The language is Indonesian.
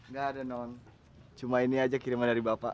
nggak ada non cuma ini aja kiriman dari bapak